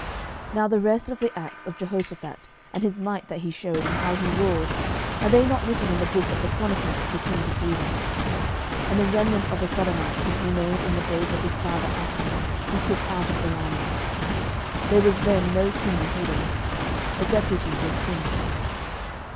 11:022:045 Now the rest of the acts of Jehoshaphat, and his might that he shewed, and how he warred, are they not written in the book of the chronicles of the kings of Judah? 11:022:046 And the remnant of the sodomites, which remained in the days of his father Asa, he took out of the land. 11:022:047 There was then no king in Edom: a deputy was king.